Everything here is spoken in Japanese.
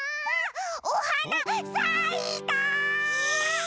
おはなさいた！